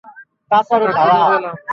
এটা খুঁজে পেলাম।